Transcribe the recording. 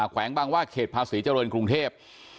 แวงบางว่าเขตภาษีเจริญกรุงเทพ